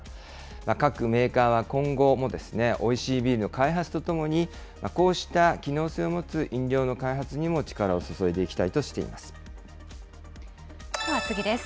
各メーカーは今後も、おいしいビールの開発とともに、こうした機能性を持つ飲料の開発にも力を注では次です。